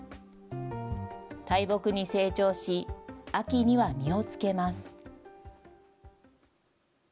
大木に成長し、秋には実をつけます。